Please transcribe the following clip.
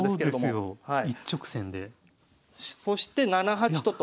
そして７八と金と。